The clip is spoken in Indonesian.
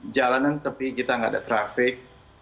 jalanan sepi kita nggak ada trafik